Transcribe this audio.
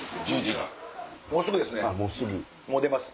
もうすぐですね。